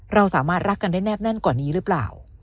เราสามารถรักกันได้แนบแน่นกว่านี้หรือเปล่า